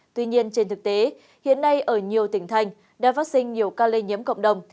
tuy nhiên trên thực tế hiện nay ở nhiều tỉnh thành đã phát sinh nhiều ca lây nhiễm cộng đồng